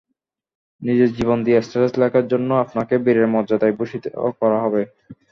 নিজের জীবন দিয়ে স্ট্যাটাস লেখার জন্য আপনাকে বীরের মর্যাদায় ভূষিত করা হবে।